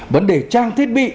vấn đề trang thiết bị